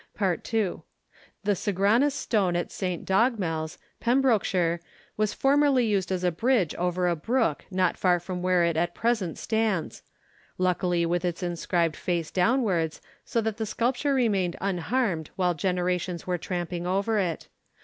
II. The Sagranus Stone at St. Dogmell's, Pembrokeshire, was formerly used as a bridge over a brook not far from where it at present stands luckily with its inscribed face downwards, so that the sculpture remained unharmed while generations were tramping over it.